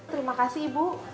terima kasih ibu